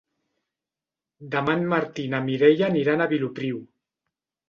Demà en Martí i na Mireia aniran a Vilopriu.